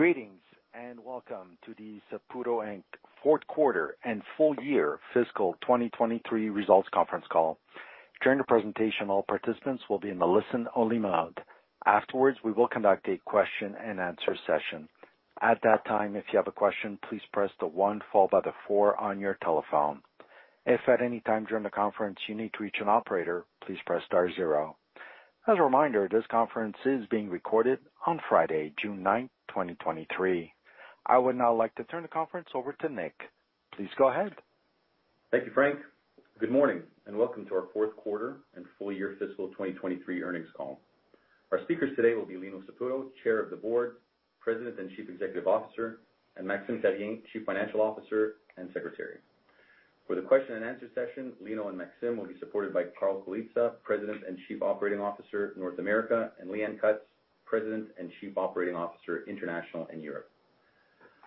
Greetings, and welcome to the Saputo Inc. fourth quarter and full year fiscal 2023 results conference call. During the presentation, all participants will be in a listen-only mode. Afterwards, we will conduct a question-and-answer session. At that time, if you have a question, please press the 1 followed by the 4 on your telephone. If at any time during the conference you need to reach an operator, please press star 0. As a reminder, this conference is being recorded on Friday, June ninth, 2023. I would now like to turn the conference over to Nick. Please go ahead. Thank you, Frank. Good morning, welcome to our fourth quarter and full year fiscal 2023 earnings call. Our speakers today will be Lino Saputo, Chair of the Board, President, and Chief Executive Officer, and Maxime Therrien, Chief Financial Officer and Secretary. For the question-and-answer session, Lino and Maxime will be supported by Carl Colizza, President and Chief Operating Officer, North America, and Leanne Cutts, President and Chief Operating Officer, International and Europe.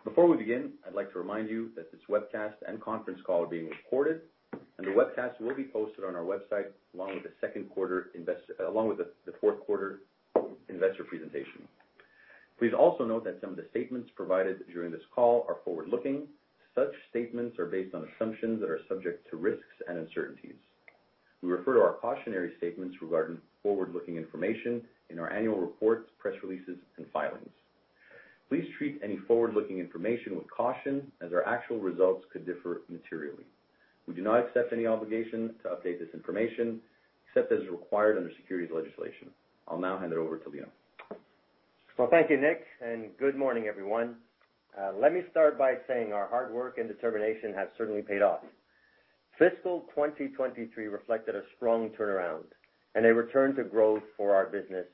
Before we begin, I'd like to remind you that this webcast and conference call are being recorded, and the webcast will be posted on our website, along with the second quarter along with the fourth quarter investor presentation. Please also note that some of the statements provided during this call are forward-looking. Such statements are based on assumptions that are subject to risks and uncertainties. We refer to our cautionary statements regarding forward-looking information in our annual reports, press releases, and filings. Please treat any forward-looking information with caution, as our actual results could differ materially. We do not accept any obligation to update this information, except as required under securities legislation. I'll now hand it over to Lino. Well, thank you, Nick, and good morning, everyone. Let me start by saying our hard work and determination has certainly paid off. Fiscal 2023 reflected a strong turnaround and a return to growth for our business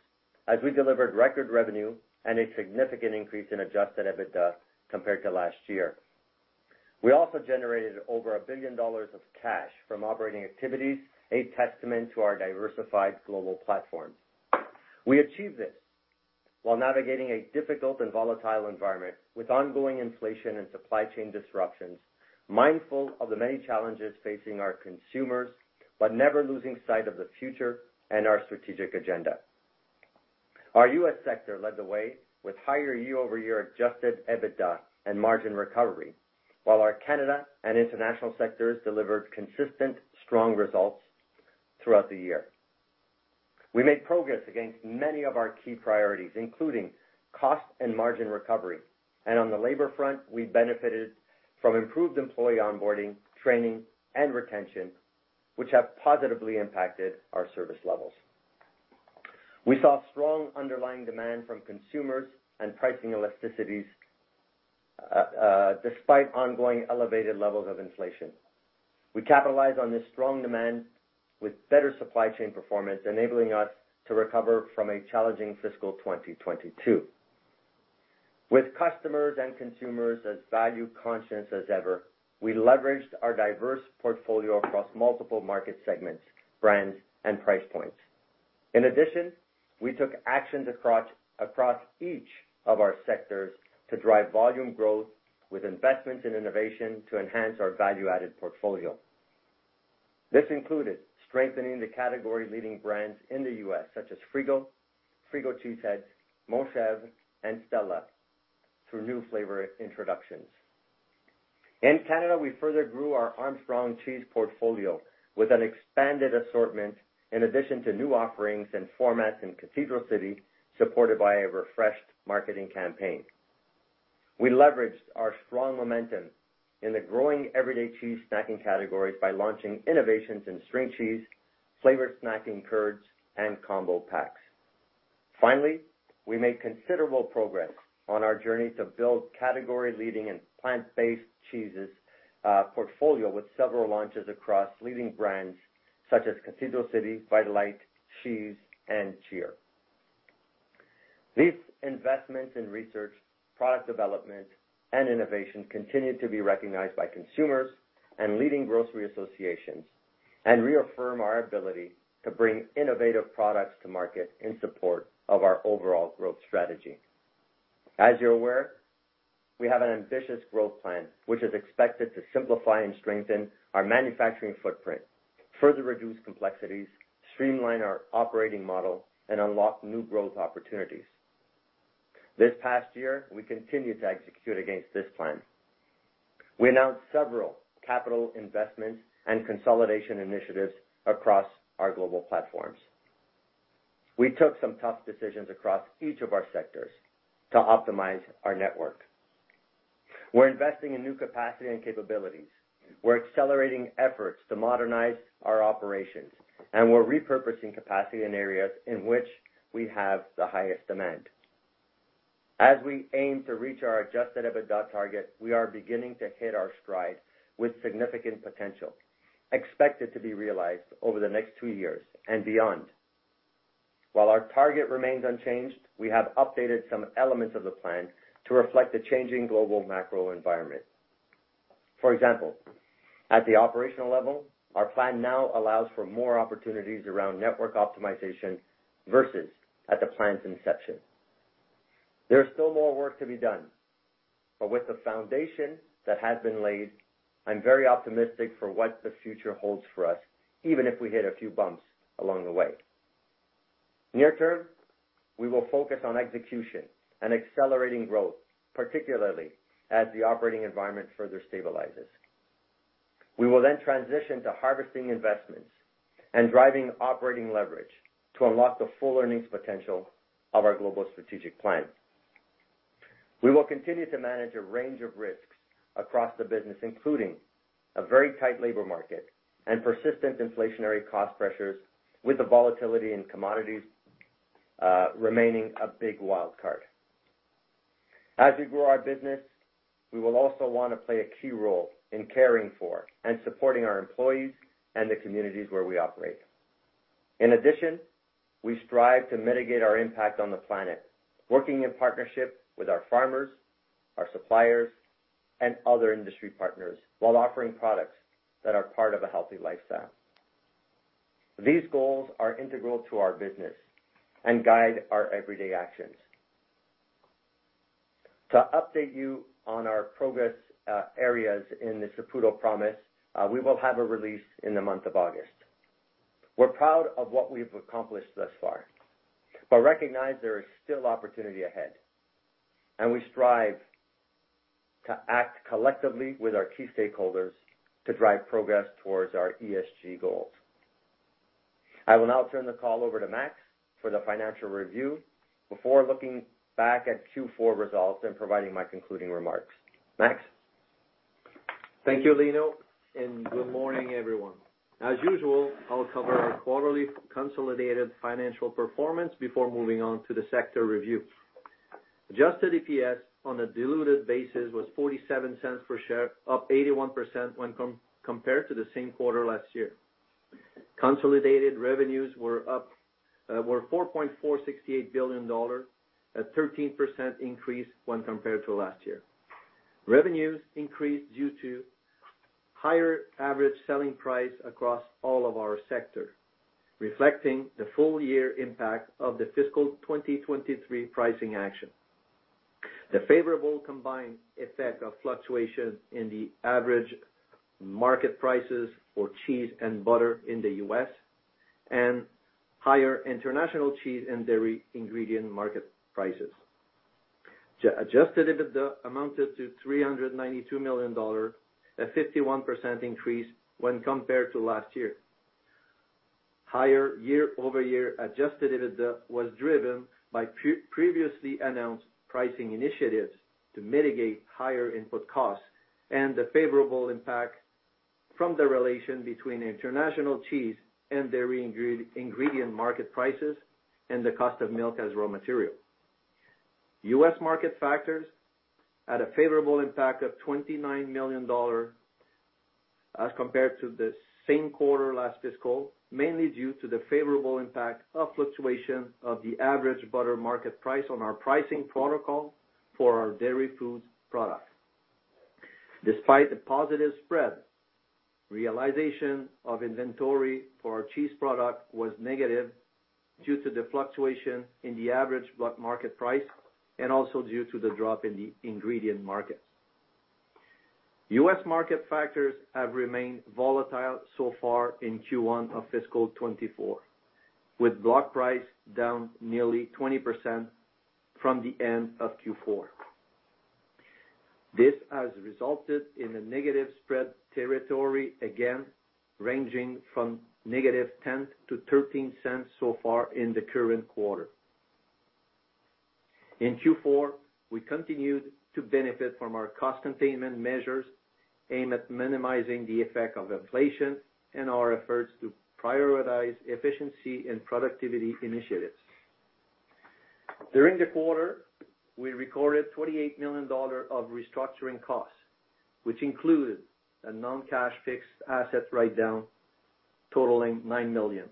as we delivered record revenue and a significant increase in adjusted EBITDA compared to last year. We also generated over 1 billion dollars of cash from operating activities, a testament to our diversified global platform. We achieved this while navigating a difficult and volatile environment, with ongoing inflation and supply chain disruptions, mindful of the many challenges facing our consumers, but never losing sight of the future and our strategic agenda. Our U.S. sector led the way with higher year-over-year adjusted EBITDA and margin recovery, while our Canada and international sectors delivered consistent, strong results throughout the year. We made progress against many of our key priorities, including cost and margin recovery, and on the labor front, we benefited from improved employee onboarding, training, and retention, which have positively impacted our service levels. We saw strong underlying demand from consumers and pricing elasticities despite ongoing elevated levels of inflation. We capitalized on this strong demand with better supply chain performance, enabling us to recover from a challenging fiscal 2022. With customers and consumers as value-conscious as ever, we leveraged our diverse portfolio across multiple market segments, brands, and price points. In addition, we took actions across each of our sectors to drive volume growth with investments in innovation to enhance our value-added portfolio. This included strengthening the category-leading brands in the U.S., such as Frigo Cheese Heads, Montchevre, and Stella, through new flavor introductions. In Canada, we further grew our Armstrong Cheese portfolio with an expanded assortment in addition to new offerings and formats in Cathedral City, supported by a refreshed marketing campaign. We leveraged our strong momentum in the growing everyday cheese snacking categories by launching innovations in string cheese, flavored snacking curds, and combo packs. Finally, we made considerable progress on our journey to build category-leading and plant-based cheeses portfolio, with several launches across leading brands such as Cathedral City, Vitalite, Sheese, and CHEER. These investments in research, product development, and innovation continue to be recognized by consumers and leading grocery associations, and reaffirm our ability to bring innovative products to market in support of our overall growth strategy. As you're aware, we have an ambitious growth plan, which is expected to simplify and strengthen our manufacturing footprint, further reduce complexities, streamline our operating model, and unlock new growth opportunities. This past year, we continued to execute against this plan. We announced several capital investments and consolidation initiatives across our global platforms. We took some tough decisions across each of our sectors to optimize our network. We're investing in new capacity and capabilities, we're accelerating efforts to modernize our operations, and we're repurposing capacity in areas in which we have the highest demand. As we aim to reach our adjusted EBITDA target, we are beginning to hit our stride with significant potential, expected to be realized over the next two years and beyond. While our target remains unchanged, we have updated some elements of the plan to reflect the changing global macro environment. For example, at the operational level, our plan now allows for more opportunities around network optimization versus at the plan's inception. There's still more work to be done. With the foundation that has been laid, I'm very optimistic for what the future holds for us, even if we hit a few bumps along the way. Near term, we will focus on execution and accelerating growth, particularly as the operating environment further stabilizes. We will transition to harvesting investments and driving operating leverage to unlock the full earnings potential of our Global Strategic Plan. We will continue to manage a range of risks across the business, including a very tight labor market and persistent inflationary cost pressures, with the volatility in commodities remaining a big wild card. As we grow our business, we will also want to play a key role in caring for and supporting our employees and the communities where we operate. In addition, we strive to mitigate our impact on the planet, working in partnership with our farmers, our suppliers, and other industry partners, while offering products that are part of a healthy lifestyle. These goals are integral to our business and guide our everyday actions. To update you on our progress, areas in the Saputo Promise, we will have a release in the month of August. We're proud of what we've accomplished thus far, but recognize there is still opportunity ahead, we strive to act collectively with our key stakeholders to drive progress towards our ESG goals. I will now turn the call over to Max for the financial review before looking back at Q4 results and providing my concluding remarks. Max? Thank you, Lino, and good morning, everyone. As usual, I'll cover our quarterly consolidated financial performance before moving on to the sector review. adjusted EPS on a diluted basis was 0.47 per share, up 81% when compared to the same quarter last year. Consolidated revenues were 4.468 billion dollars, a 13% increase when compared to last year. Revenues increased due to higher average selling price across all of our sector, reflecting the full year impact of the fiscal 2023 pricing action. The favorable combined effect of fluctuation in the average market prices for cheese and butter in the U.S., and higher international cheese and dairy ingredient market prices. adjusted EBITDA amounted to 392 million dollars, a 51% increase when compared to last year. Higher year-over-year adjusted EBITDA was driven by previously announced pricing initiatives to mitigate higher input costs and the favorable impact from the relation between international cheese and dairy ingredient market prices and the cost of milk as raw material. U.S. market factors had a favorable impact of $29 million as compared to the same quarter last fiscal, mainly due to the favorable impact of fluctuation of the average butter market price on our pricing protocol for our dairy foods products. Despite the positive spread, realization of inventory for our cheese product was negative due to the fluctuation in the average block market price and also due to the drop in the ingredient market. U.S. market factors have remained volatile so far in Q1 of fiscal 2024, with block price down nearly 20% from the end of Q4. This has resulted in a negative spread territory, again, ranging from -10 to -13 cents so far in the current quarter. In Q4, we continued to benefit from our cost containment measures aimed at minimizing the effect of inflation and our efforts to prioritize efficiency and productivity initiatives. During the quarter, we recorded $28 million of restructuring costs, which included a non-cash fixed asset write-down totaling $9 million.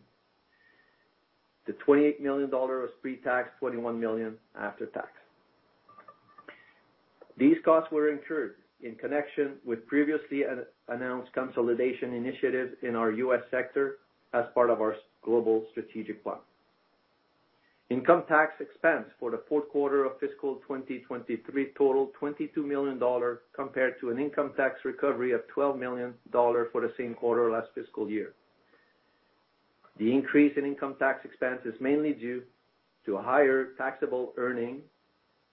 The $28 million was pre-tax, $21 million after tax. These costs were incurred in connection with previously announced consolidation initiatives in our U.S. sector as part of our Global Strategic Plan. Income tax expense for the fourth quarter of fiscal 2023 totaled $22 million, compared to an income tax recovery of $12 million for the same quarter last fiscal year. The increase in income tax expense is mainly due to a higher taxable earning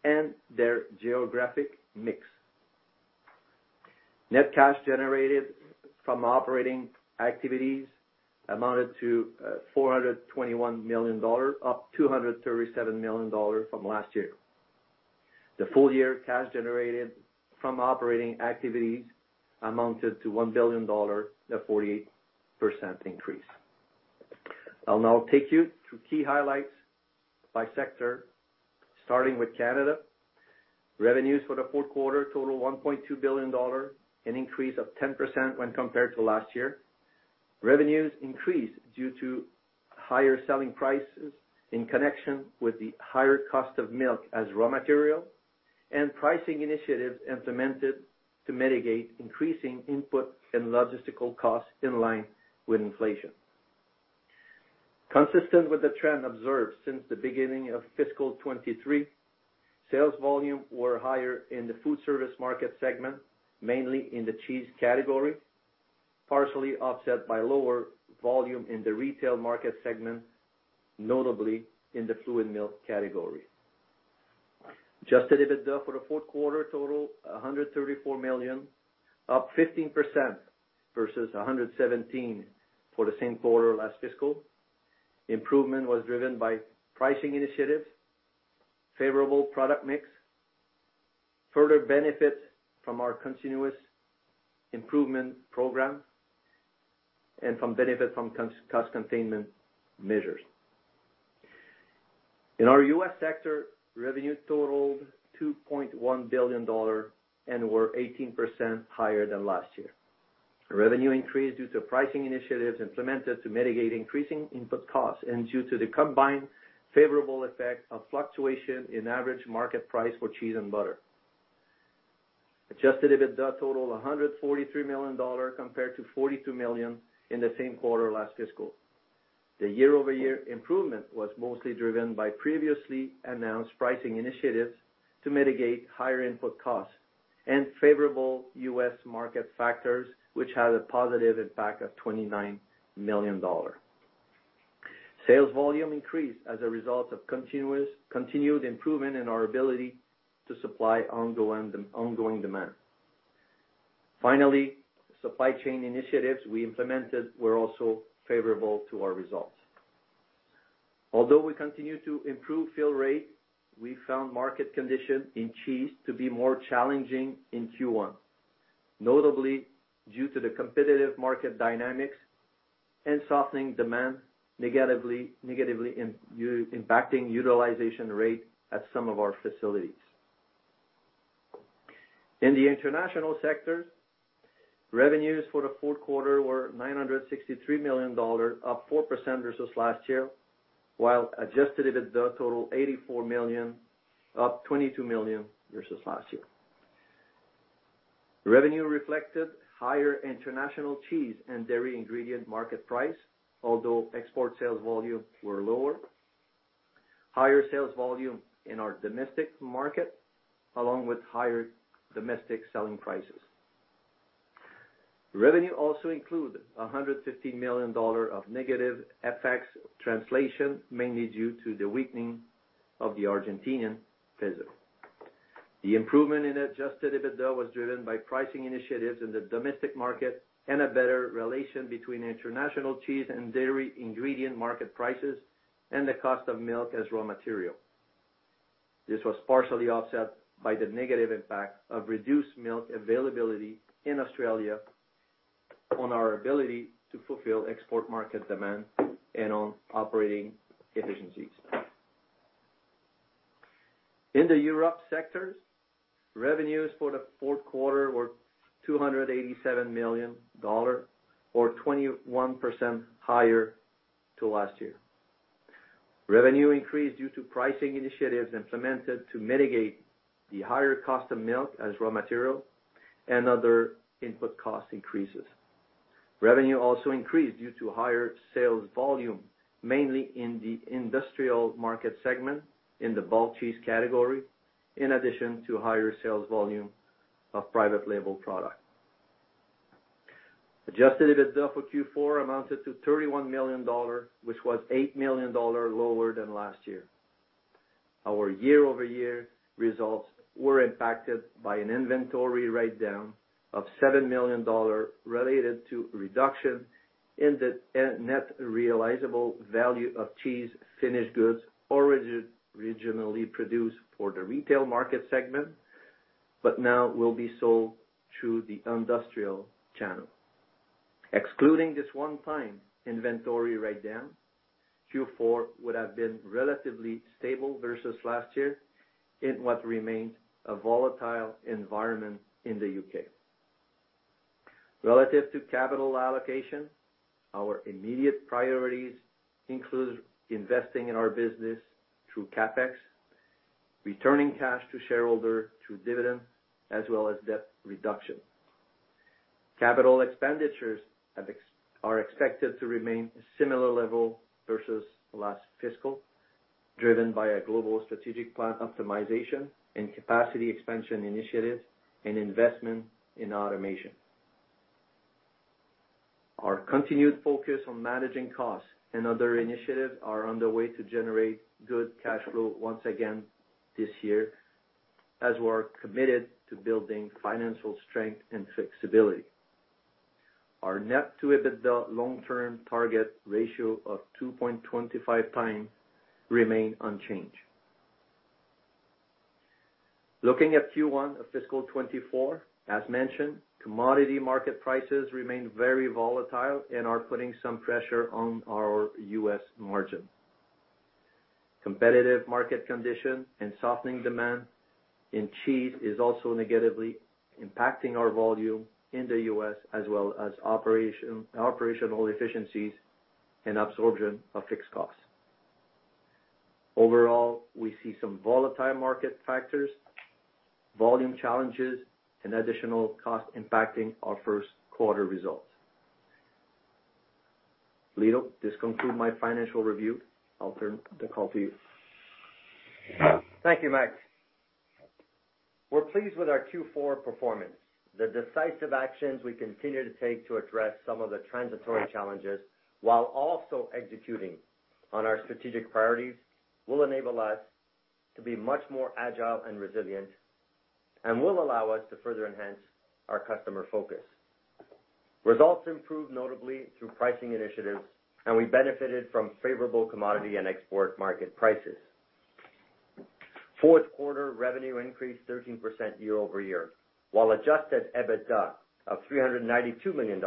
and their geographic mix. Net cash generated from operating activities amounted to 421 million dollars, up 237 million dollars from last year. The full year cash generated from operating activities amounted to 1 billion dollars, a 48% increase. I'll now take you through key highlights by sector, starting with Canada. Revenues for the fourth quarter total 1.2 billion dollar, an increase of 10% when compared to last year. Revenues increased due to higher selling prices in connection with the higher cost of milk as raw material and pricing initiatives implemented to mitigate increasing input and logistical costs in line with inflation.... Consistent with the trend observed since the beginning of fiscal 2023, sales volume were higher in the food service market segment, mainly in the cheese category, partially offset by lower volume in the retail market segment, notably in the fluid milk category. adjusted EBITDA for the fourth quarter total 134 million, up 15% versus 117 million for the same quarter last fiscal. Improvement was driven by pricing initiatives, favorable product mix, further benefits from our continuous improvement program, and from benefit from cost containment measures. In our U.S. sector, revenue totaled $2.1 billion and were 18% higher than last year. Revenue increased due to pricing initiatives implemented to mitigate increasing input costs, and due to the combined favorable effect of fluctuation in average market price for cheese and butter. Adjusted EBITDA totaled 143 million dollars compared to 42 million in the same quarter last fiscal. The year-over-year improvement was mostly driven by previously announced pricing initiatives to mitigate higher input costs and favorable U.S. market factors, which had a positive impact of $29 million. Sales volume increased as a result of continued improvement in our ability to supply ongoing demand. Finally, supply chain initiatives we implemented were also favorable to our results. Although we continue to improve fill rate, we found market conditions in cheese to be more challenging in Q1, notably due to the competitive market dynamics and softening demand, negatively impacting utilization rate at some of our facilities. In the international sectors, revenues for the fourth quarter were $963 million, up 4% versus last year, while adjusted EBITDA totaled $84 million, up $22 million versus last year. Revenue reflected higher international cheese and dairy ingredient market price, although export sales volume were lower, higher sales volume in our domestic market, along with higher domestic selling prices. Revenue also include $150 million of negative FX translation, mainly due to the weakening of the Argentinian peso. The improvement in adjusted EBITDA was driven by pricing initiatives in the domestic market and a better relation between international cheese and dairy ingredient market prices and the cost of milk as raw material. This was partially offset by the negative impact of reduced milk availability in Australia on our ability to fulfill export market demand and on operating efficiencies. In the Europe sectors, revenues for the fourth quarter were 287 million dollar, or 21% higher to last year. Revenue increased due to pricing initiatives implemented to mitigate the higher cost of milk as raw material and other input cost increases. Revenue also increased due to higher sales volume, mainly in the industrial market segment, in the bulk cheese category, in addition to higher sales volume of private label product. Adjusted EBITDA for Q4 amounted to 31 million dollars, which was 8 million dollars lower than last year. Our year-over-year results were impacted by an inventory write-down of 7 million dollars related to reduction in the net realizable value of cheese finished goods originally produced for the retail market segment, but now will be sold through the industrial channel. Excluding this one-time inventory write-down, Q4 would have been relatively stable versus last year, in what remains a volatile environment in the U.K. Relative to capital allocation, our immediate priorities include investing in our business through CapEx, returning cash to shareholder through dividends, as well as debt reduction. Capital expenditures are expected to remain a similar level versus last fiscal, driven by a Global Strategic Plan optimization and capacity expansion initiatives and investment in automation. Our continued focus on managing costs and other initiatives are on the way to generate good cash flow once again this year, as we are committed to building financial strength and flexibility. Our net-to-EBITDA long-term target ratio of 2.25 times remain unchanged. Looking at Q1 of fiscal 2024, as mentioned, commodity market prices remain very volatile and are putting some pressure on our U.S. margin. Competitive market conditions and softening demand in cheese is also negatively impacting our volume in the US, as well as operational efficiencies and absorption of fixed costs. Overall, we see some volatile market factors, volume challenges, and additional cost impacting our first quarter results. Lino, this concludes my financial review. I'll turn the call to you. Thank you, Max. We're pleased with our Q4 performance. The decisive actions we continue to take to address some of the transitory challenges, while also executing on our strategic priorities, will enable us to be much more agile and resilient, and will allow us to further enhance our customer focus. Results improved notably through pricing initiatives, and we benefited from favorable commodity and export market prices. Fourth quarter revenue increased 13% year-over-year, while adjusted EBITDA of $392 million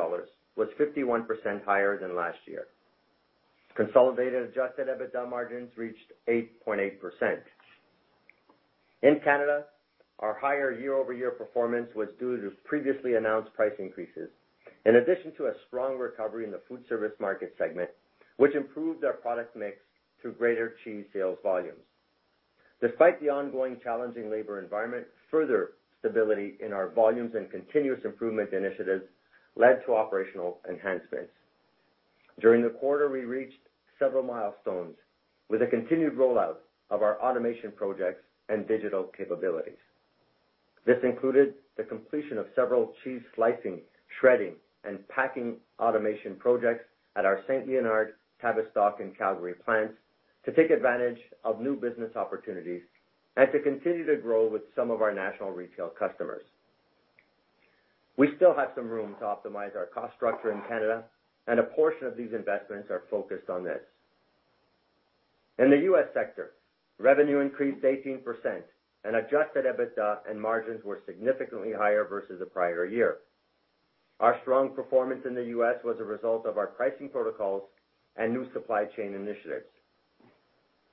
was 51% higher than last year. Consolidated adjusted EBITDA margins reached 8.8%. In Canada, our higher year-over-year performance was due to previously announced price increases, in addition to a strong recovery in the food service market segment, which improved our product mix through greater cheese sales volumes. Despite the ongoing challenging labor environment, further stability in our volumes and continuous improvement initiatives led to operational enhancements. During the quarter, we reached several milestones with a continued rollout of our automation projects and digital capabilities. This included the completion of several cheese slicing, shredding, and packing automation projects at our Saint-Léonard, Tavistock, and Calgary plants to take advantage of new business opportunities and to continue to grow with some of our national retail customers. We still have some room to optimize our cost structure in Canada, and a portion of these investments are focused on this. In the U.S. sector, revenue increased 18% and adjusted EBITDA and margins were significantly higher versus the prior year. Our strong performance in the U.S. was a result of our pricing protocols and new supply chain initiatives.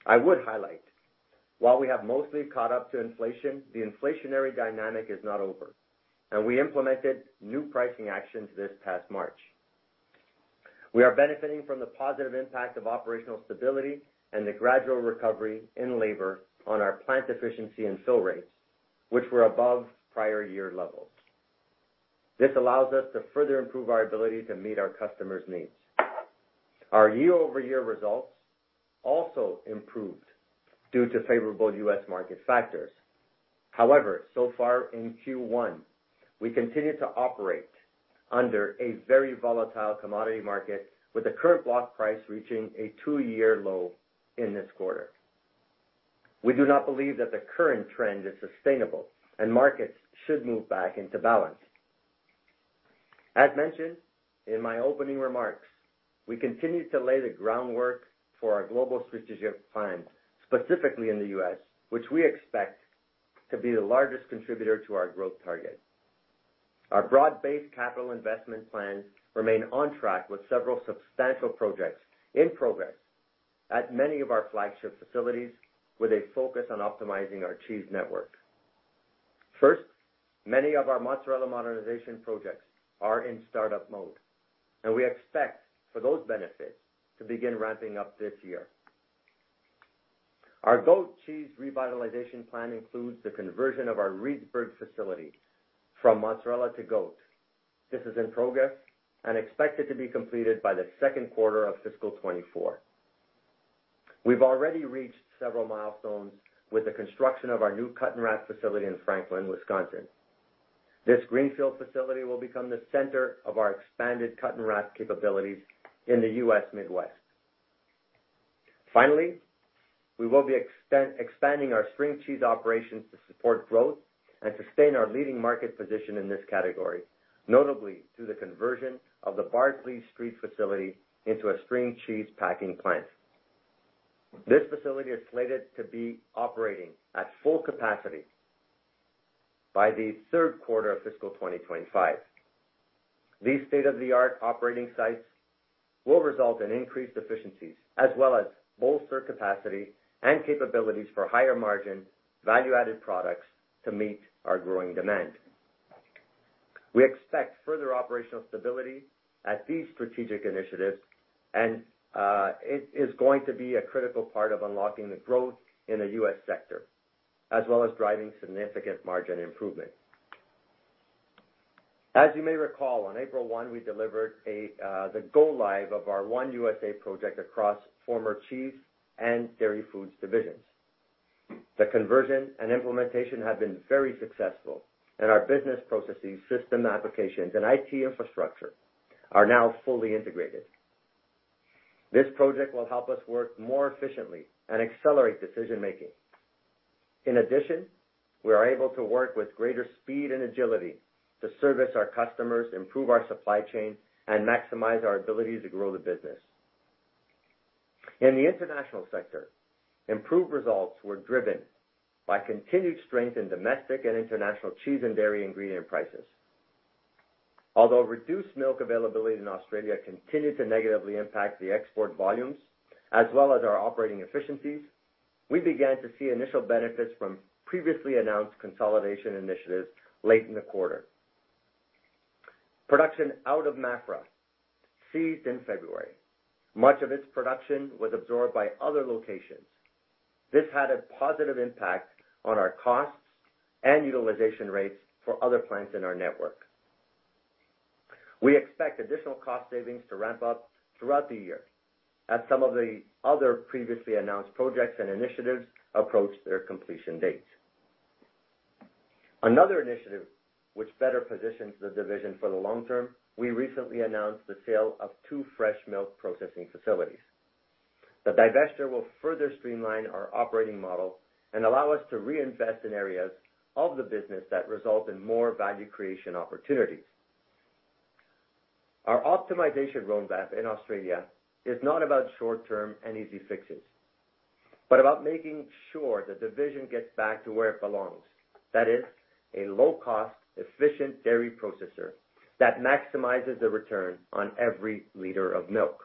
I would highlight, while we have mostly caught up to inflation, the inflationary dynamic is not over, and we implemented new pricing actions this past March. We are benefiting from the positive impact of operational stability and the gradual recovery in labor on our plant efficiency and fill rates, which were above prior year levels. This allows us to further improve our ability to meet our customers' needs. Our year-over-year results also improved due to favorable U.S. market factors. So far in Q1, we continue to operate under a very volatile commodity market, with the current block price reaching a two-year low in this quarter. We do not believe that the current trend is sustainable and markets should move back into balance. As mentioned in my opening remarks, we continue to lay the groundwork for our Global Strategic Plan, specifically in the U.S., which we expect to be the largest contributor to our growth target. Our broad-based capital investment plans remain on track with several substantial projects in progress at many of our flagship facilities, with a focus on optimizing our cheese network. First, many of our mozzarella modernization projects are in startup mode, and we expect for those benefits to begin ramping up this year. Our goat cheese revitalization plan includes the conversion of our Reedsburg facility from mozzarella to goat. This is in progress and expected to be completed by the second quarter of fiscal 2024. We've already reached several milestones with the construction of our new cut and wrap facility in Franklin, Wisconsin. This greenfield facility will become the center of our expanded cut and wrap capabilities in the U.S. Midwest. Finally, we will be expanding our string cheese operations to support growth and sustain our leading market position in this category, notably through the conversion of the Bardsley Street facility into a string cheese packing plant. This facility is slated to be operating at full capacity by the third quarter of fiscal 2025. These state-of-the-art operating sites will result in increased efficiencies, as well as bolster capacity and capabilities for higher margin, value-added products to meet our growing demand. We expect further operational stability at these strategic initiatives, and it is going to be a critical part of unlocking the growth in the U.S. sector, as well as driving significant margin improvement. As you may recall, on April 1, we delivered the go live of our One USA project across former Cheese and Dairy Foods divisions. The conversion and implementation have been very successful, and our business processing system applications and IT infrastructure are now fully integrated. This project will help us work more efficiently and accelerate decision-making. In addition, we are able to work with greater speed and agility to service our customers, improve our supply chain, and maximize our ability to grow the business. In the international sector, improved results were driven by continued strength in domestic and international cheese and dairy ingredient prices. Although reduced milk availability in Australia continued to negatively impact the export volumes as well as our operating efficiencies, we began to see initial benefits from previously announced consolidation initiatives late in the quarter. Production out of Maffra ceased in February. Much of its production was absorbed by other locations. This had a positive impact on our costs and utilization rates for other plants in our network. We expect additional cost savings to ramp up throughout the year, as some of the other previously announced projects and initiatives approach their completion dates. Another initiative which better positions the division for the long term, we recently announced the sale of two fresh milk processing facilities. The divesture will further streamline our operating model and allow us to reinvest in areas of the business that result in more value creation opportunities. Our optimization roadmap in Australia is not about short-term and easy fixes, but about making sure the division gets back to where it belongs. That is, a low-cost, efficient dairy processor that maximizes the return on every liter of milk.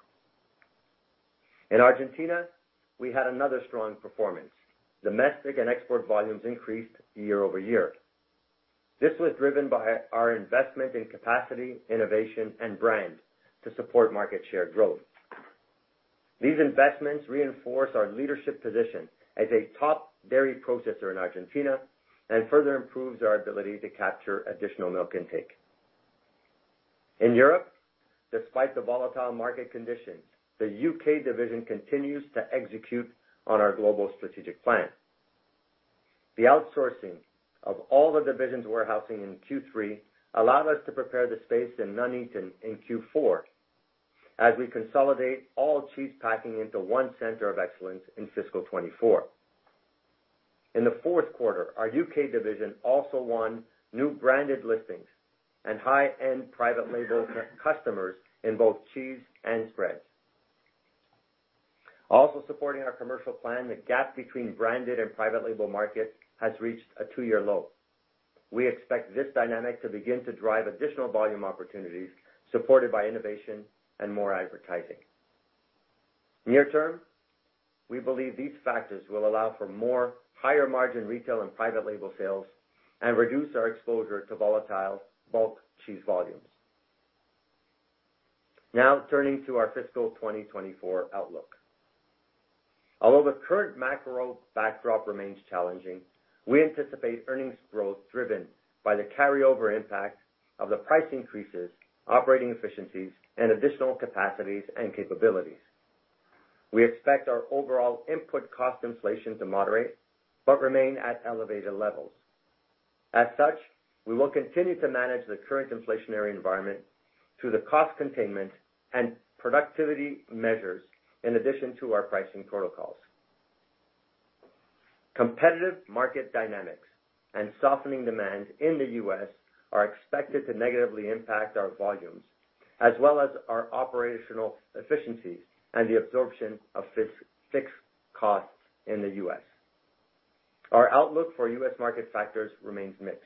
In Argentina, we had another strong performance. Domestic and export volumes increased year-over-year. This was driven by our investment in capacity, innovation, and brand to support market share growth. These investments reinforce our leadership position as a top dairy processor in Argentina and further improves our ability to capture additional milk intake. In Europe, despite the volatile market conditions, the UK division continues to execute on our Global Strategic Plan. The outsourcing of all the divisions warehousing in Q3 allowed us to prepare the space in Nuneaton in Q4 as we consolidate all cheese packing into one center of excellence in fiscal 2024. In the fourth quarter, our UK division also won new branded listings and high-end private label customers in both cheese and spreads. Also supporting our commercial plan, the gap between branded and private label markets has reached a two-year low. We expect this dynamic to begin to drive additional volume opportunities, supported by innovation and more advertising. Near term, we believe these factors will allow for more higher-margin retail and private label sales and reduce our exposure to volatile bulk cheese volumes. Now turning to our fiscal 2024 outlook. Although the current macro backdrop remains challenging, we anticipate earnings growth driven by the carryover impact of the price increases, operating efficiencies, and additional capacities and capabilities. We expect our overall input cost inflation to moderate but remain at elevated levels. As such, we will continue to manage the current inflationary environment through the cost containment and productivity measures in addition to our pricing protocols. Competitive market dynamics and softening demand in the US are expected to negatively impact our volumes, as well as our operational efficiencies and the absorption of fixed costs in the US. Our outlook for U.S. market factors remains mixed.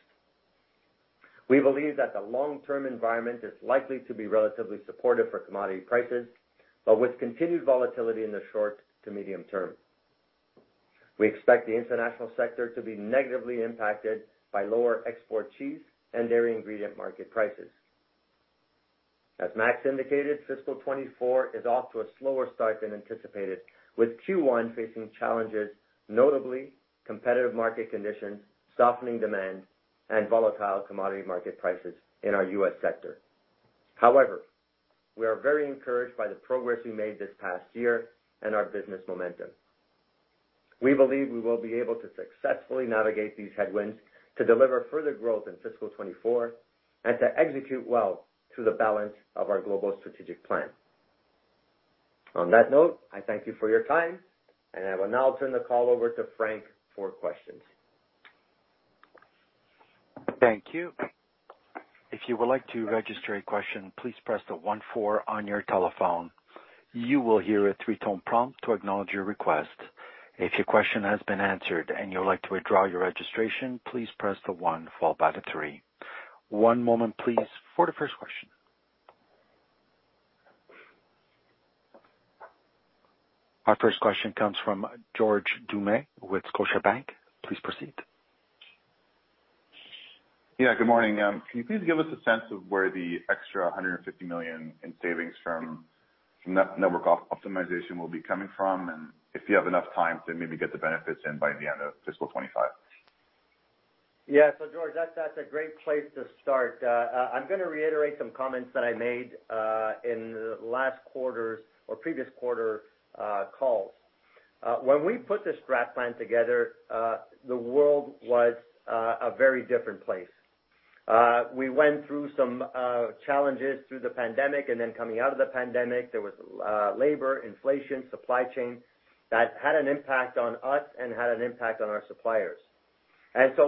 We believe that the long-term environment is likely to be relatively supportive for commodity prices, but with continued volatility in the short to medium term. We expect the international sector to be negatively impacted by lower export cheese and dairy ingredient market prices. As Max indicated, fiscal 2024 is off to a slower start than anticipated, with Q1 facing challenges, notably competitive market conditions, softening demand, and volatile commodity market prices in our U.S. sector. We are very encouraged by the progress we made this past year and our business momentum. We believe we will be able to successfully navigate these headwinds to deliver further growth in fiscal 2024 and to execute well through the balance of our Global Strategic Plan. On that note, I thank you for your time, and I will now turn the call over to Frank for questions. Thank you. If you would like to register a question, please press the 1-4 on your telephone. You will hear a 3-tone prompt to acknowledge your request. If your question has been answered and you would like to withdraw your registration, please press the 1 followed by 3. One moment, please, for the first question. Our first question comes from George Doumet with Scotiabank. Please proceed. Good morning. Can you please give us a sense of where the extra 150 million in savings from network optimization will be coming from, and if you have enough time to maybe get the benefits in by the end of fiscal '25? George, that's a great place to start. I'm gonna reiterate some comments that I made in the last quarter's or previous quarter calls. When we put the strat plan together, the world was a very different place. We went through some challenges through the pandemic, and then coming out of the pandemic, there was labor, inflation, supply chain that had an impact on us and had an impact on our suppliers.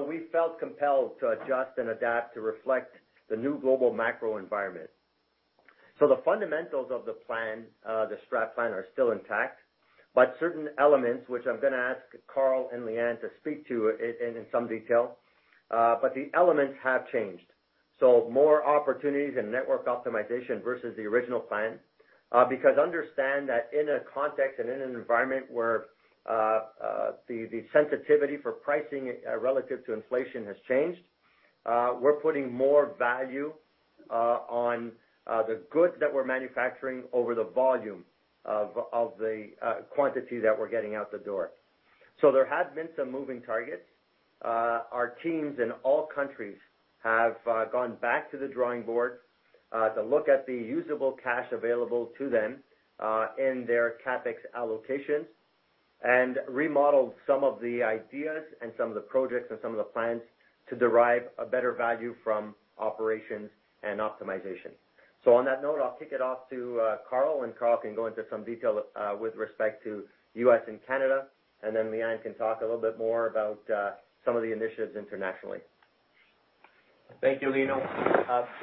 We felt compelled to adjust and adapt to reflect the new global macro environment. The fundamentals of the plan, the strat plan, are still intact, but certain elements, which I'm gonna ask Carl and Leanne to speak to in some detail, but the elements have changed. More opportunities in network optimization versus the original plan.... because understand that in a context and in an environment where the sensitivity for pricing relative to inflation has changed, we're putting more value on the good that we're manufacturing over the volume of the quantity that we're getting out the door. So there have been some moving targets. Our teams in all countries have gone back to the drawing board to look at the usable cash available to them in their CapEx allocations, and remodeled some of the ideas and some of the projects and some of the plans to derive a better value from operations and optimization. On that note, I'll kick it off to Carl. Carl can go into some detail with respect to US and Canada. Leanne can talk a little bit more about some of the initiatives internationally. Thank you, Lino.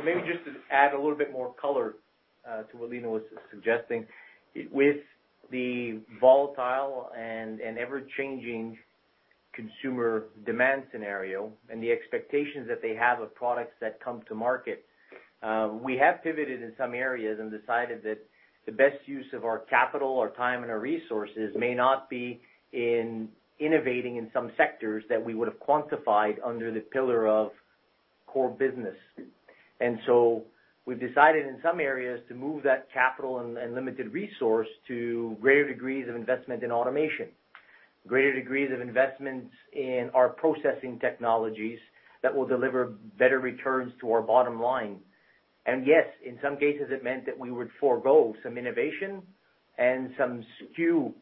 Maybe just to add a little bit more color to what Lino was suggesting. With the volatile and ever-changing consumer demand scenario and the expectations that they have of products that come to market, we have pivoted in some areas and decided that the best use of our capital, our time, and our resources may not be in innovating in some sectors that we would have quantified under the pillar of core business. We've decided in some areas to move that capital and limited resource to greater degrees of investment in automation, greater degrees of investments in our processing technologies that will deliver better returns to our bottom line. Yes, in some cases, it meant that we would forego some innovation and some SKU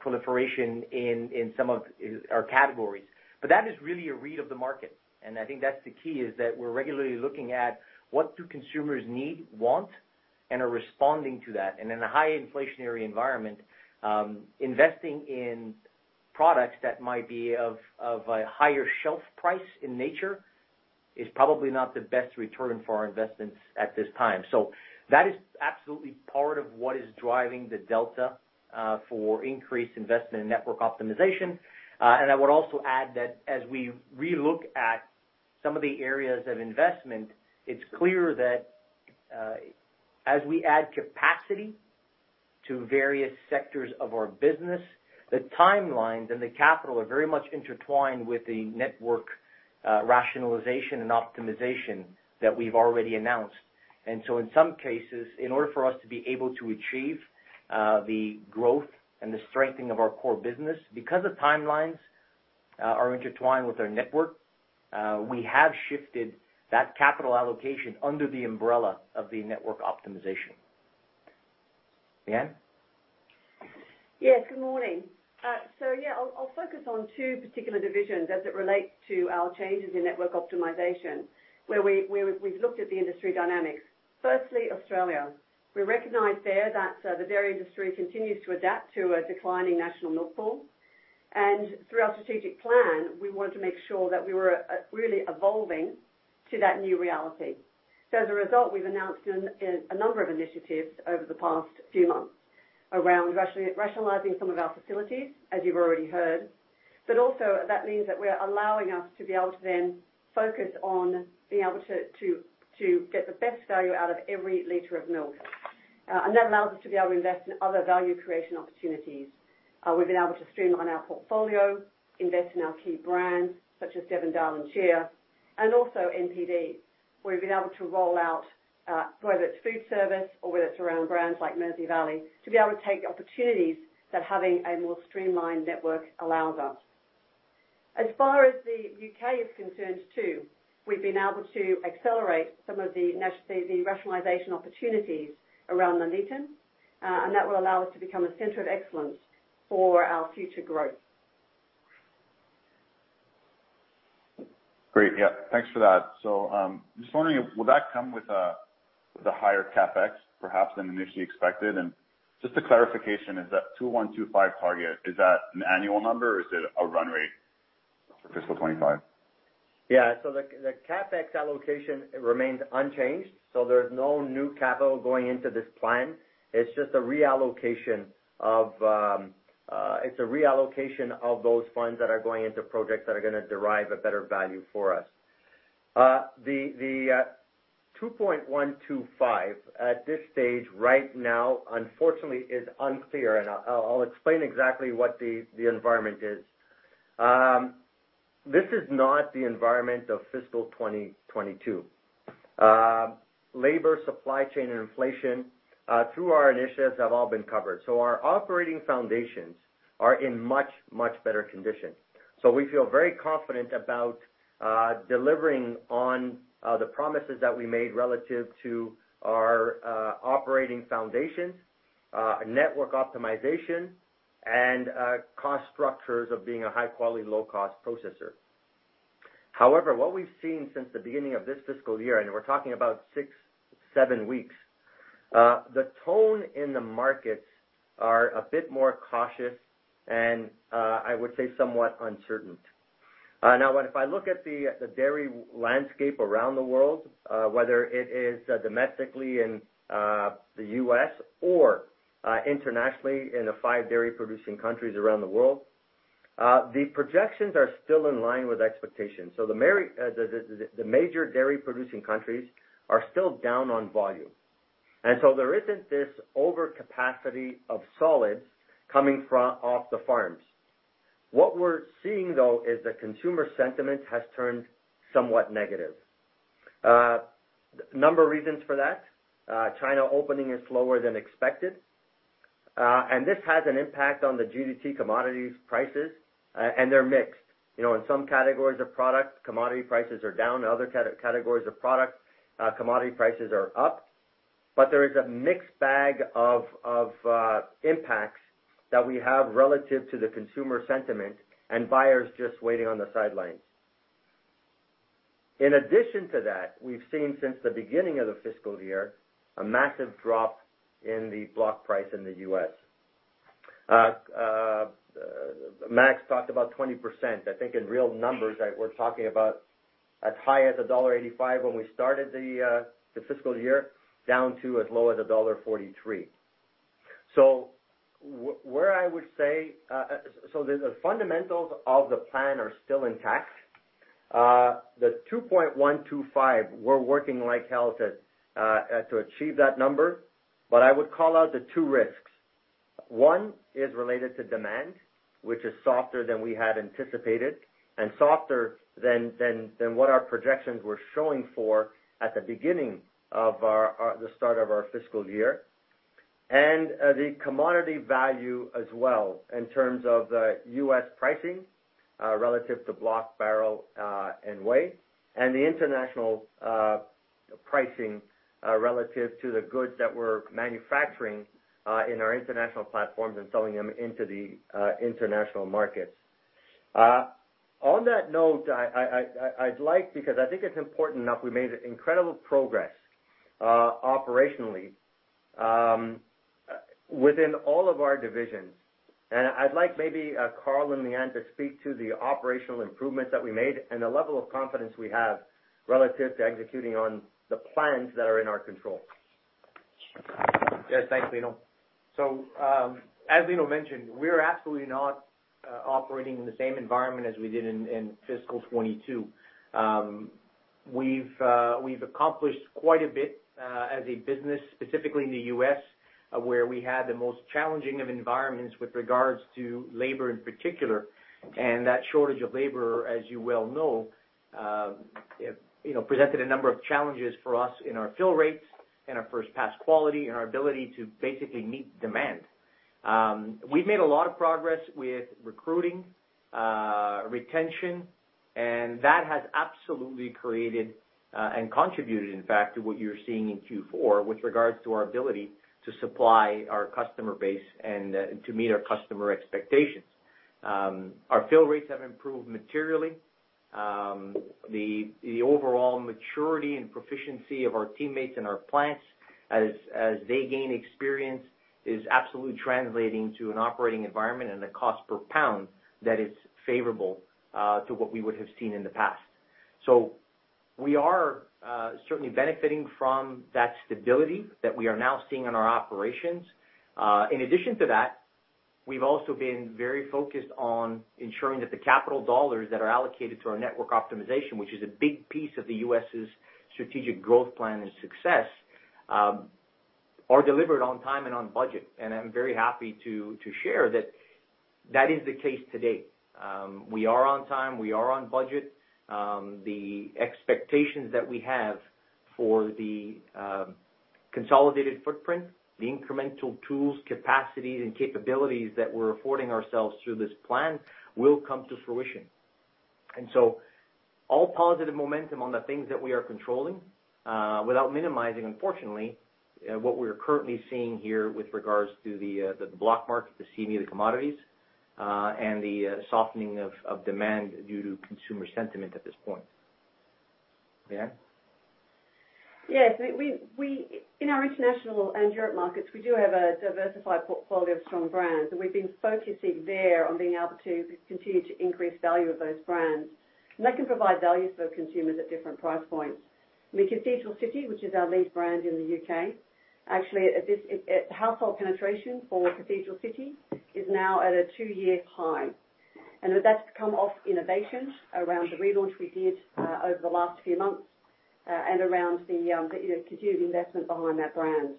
proliferation in some of our categories. That is really a read of the market, and I think that's the key, is that we're regularly looking at what do consumers need, want, and are responding to that. In a high inflationary environment, investing in products that might be of a higher shelf price in nature is probably not the best return for our investments at this time. That is absolutely part of what is driving the delta, for increased investment in network optimization. I would also add that as we relook at some of the areas of investment, it's clear that, as we add capacity to various sectors of our business, the timelines and the capital are very much intertwined with the network, rationalization and optimization that we've already announced. In some cases, in order for us to be able to achieve the growth and the strengthening of our core business, because the timelines are intertwined with our network, we have shifted that capital allocation under the umbrella of the network optimization. Leanne? Yes, good morning. Yeah, I'll focus on two particular divisions as it relates to our changes in network optimization, where we've looked at the industry dynamics. Firstly, Australia. We recognize there that the dairy industry continues to adapt to a declining national milk pool. Through our Strategic Plan, we wanted to make sure that we were really evolving to that new reality. As a result, we've announced a number of initiatives over the past few months around rationalizing some of our facilities, as you've already heard. Also, that means that we are allowing us to be able to then focus on being able to get the best value out of every liter of milk. That allows us to be able to invest in other value creation opportunities. We've been able to streamline our portfolio, invest in our key brands, such as Devondale, Darling, CHEER, and also NPD, where we've been able to roll out, whether it's food service or whether it's around brands like Mersey Valley, to be able to take opportunities that having a more streamlined network allows us. As far as the U.K. is concerned, too, we've been able to accelerate some of the rationalization opportunities around Nuneaton, and that will allow us to become a center of excellence for our future growth. Great. Yeah, thanks for that. Just wondering, will that come with a higher CapEx, perhaps than initially expected? Just a clarification, is that 2.125 target, is that an annual number, or is it a run rate for fiscal 2025? The CapEx allocation remains unchanged, so there's no new capital going into this plan. It's just a reallocation of those funds that are gonna derive a better value for us. The $2.125 billion, at this stage, right now, unfortunately, is unclear, and I'll explain exactly what the environment is. This is not the environment of fiscal 2022. Labor, supply chain, and inflation, through our initiatives, have all been covered. Our operating foundations are in much, much better condition. We feel very confident about delivering on the promises that we made relative to our operating foundations, network optimization, and cost structures of being a high-quality, low-cost processor. What we've seen since the beginning of this fiscal year, we're talking about 6, 7 weeks, the tone in the markets are a bit more cautious and I would say somewhat uncertain. If I look at the dairy landscape around the world, whether it is domestically in the U.S. or internationally in the 5 dairy-producing countries around the world. The projections are still in line with expectations. The merry, the major dairy producing countries are still down on volume, and so there isn't this overcapacity of solids coming from off the farms. What we're seeing, though, is the consumer sentiment has turned somewhat negative. Number of reasons for that, China opening is slower than expected, and this has an impact on the GDT commodities prices, and they're mixed. You know, in some categories of products, commodity prices are down, in other categories of products, commodity prices are up. There is a mixed bag of impacts that we have relative to the consumer sentiment and buyers just waiting on the sidelines. In addition to that, we've seen since the beginning of the fiscal year, a massive drop in the block price in the US. Max talked about 20%. I think in real numbers, we're talking about as high as $1.85 when we started the fiscal year, down to as low as $1.43. Where I would say. The fundamentals of the plan are still intact. The $2.125 billion, we're working like hell to achieve that number, but I would call out the two risks. One is related to demand, which is softer than we had anticipated and softer than what our projections were showing for at the beginning of our, the start of our fiscal year. The commodity value as well, in terms of the U.S. pricing, relative to block, barrel, and weight, and the international pricing, relative to the goods that we're manufacturing in our international platforms and selling them into the international markets. I'd like, because I think it's important enough, we made incredible progress operationally within all of our divisions. I'd like maybe Carl and Leanne to speak to the operational improvements that we made and the level of confidence we have relative to executing on the plans that are in our control. Yes, thanks, Lino. As Lino mentioned, we're absolutely not operating in the same environment as we did in fiscal 2022. We've accomplished quite a bit as a business, specifically in the U.S., where we had the most challenging of environments with regards to labor, in particular. That shortage of labor, as you well know, you know, presented a number of challenges for us in our fill rates, in our first pass quality, in our ability to basically meet demand. We've made a lot of progress with recruiting, retention, and that has absolutely created and contributed, in fact, to what you're seeing in Q4 with regards to our ability to supply our customer base and to meet our customer expectations. Our fill rates have improved materially. The overall maturity and proficiency of our teammates and our plants, as they gain experience, is absolutely translating to an operating environment and a cost per pound that is favorable to what we would have seen in the past. We are certainly benefiting from that stability that we are now seeing in our operations. In addition to that, we've also been very focused on ensuring that the capital dollars that are allocated to our network optimization, which is a big piece of the U.S.'s Global Strategic Plan and success, are delivered on time and on budget. I'm very happy to share that that is the case to date. We are on time, we are on budget. The expectations that we have for the consolidated footprint, the incremental tools, capacities, and capabilities that we're affording ourselves through this plan will come to fruition. All positive momentum on the things that we are controlling, without minimizing, unfortunately, what we are currently seeing here with regards to the block market, the CME, the commodities, and the softening of demand due to consumer sentiment at this point. Leanne? Yes, we in our International and Europe markets, we do have a diversified portfolio of strong brands, and we've been focusing there on being able to continue to increase value of those brands. That can provide value for consumers at different price points. I mean, Cathedral City, which is our lead brand in the UK, actually, at this household penetration for Cathedral City is now at a 2-year high. That's come off innovation around the relaunch we did over the last few months, and around the, you know, continued investment behind that brand.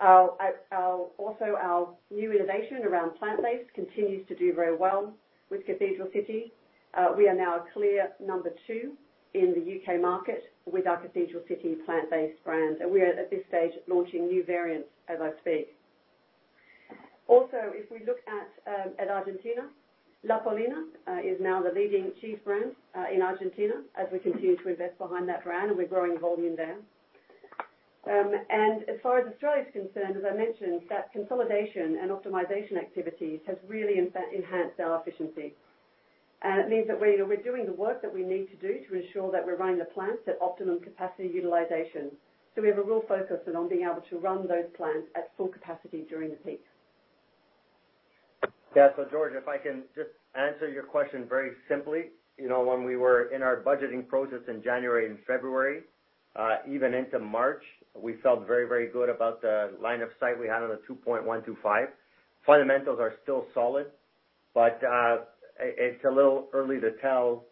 Also, our new innovation around plant-based continues to do very well with Cathedral City. We are now a clear number 2 in the UK market with our Cathedral City plant-based brand, and we are, at this stage, launching new variants as I speak. Also, if we look at Argentina, La Paulina is now the leading cheese brand in Argentina, as we continue to invest behind that brand, and we're growing volume there. As far as Australia is concerned, as I mentioned, that consolidation and optimization activities has really, in fact, enhanced our efficiency. It means that we're doing the work that we need to do to ensure that we're running the plants at optimum capacity utilization. We have a real focus in on being able to run those plants at full capacity during the peak. Yeah. George, if I can just answer your question very simply. You know, when we were in our budgeting process in January and February- Even into March, we felt very, very good about the line of sight we had on the 2.125 billion. Fundamentals are still solid. It's a little early to tell,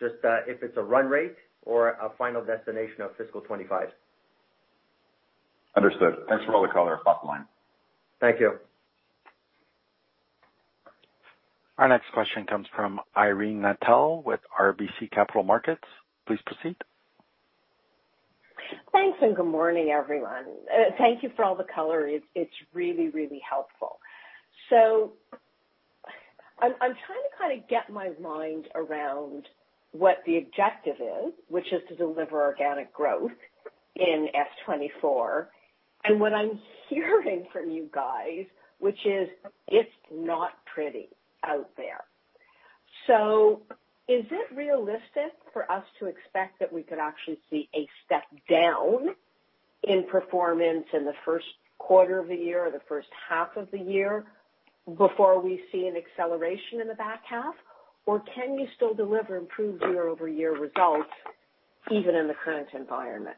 just, if it's a run rate or a final destination of fiscal 25. Understood. Thanks for all the color. Bottom line. Thank you. Our next question comes from Irene Nattel with RBC Capital Markets. Please proceed. Thanks, good morning, everyone. Thank you for all the color. It's really, really helpful. I'm trying to kind of get my mind around what the objective is, which is to deliver organic growth in S 2024. What I'm hearing from you guys, which is, it's not pretty out there. Is it realistic for us to expect that we could actually see a step down in performance in the first quarter of the year or the first half of the year before we see an acceleration in the back half? Can you still deliver improved year-over-year results even in the current environment?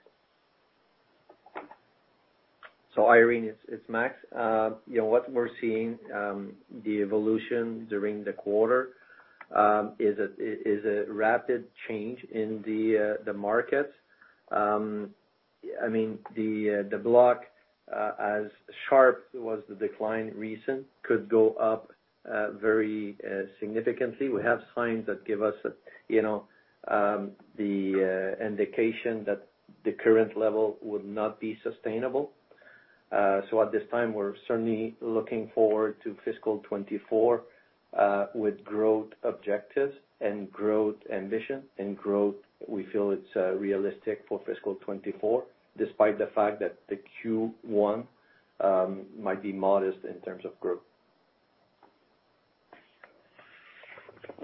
Irene, it's Max. You know, what we're seeing, the evolution during the quarter, is a rapid change in the market. I mean, the block, as sharp was the decline recent, could go up, very, significantly. We have signs that give us, you know, the indication that the current level would not be sustainable. At this time, we're certainly looking forward to fiscal 2024, with growth objectives and growth ambition, and growth, we feel it's, realistic for fiscal 2024, despite the fact that the Q1, might be modest in terms of growth.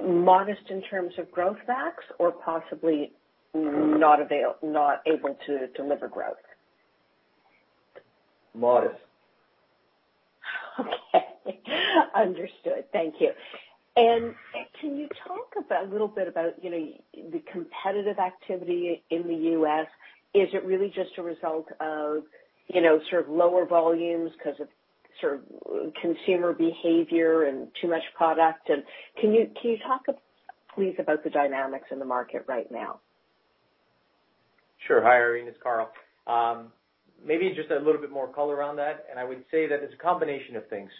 Modest in terms of growth facts or possibly not able to deliver growth? Modest. Okay. Understood. Thank you. Can you talk about, a little bit about, you know, the competitive activity in the US? Is it really just a result of, you know, sort of lower volumes 'cause of sort of consumer behavior and too much product? Can you talk please, about the dynamics in the market right now? Sure. Hi, Irene, it's Carl. Maybe just a little bit more color on that, I would say that it's a combination of things.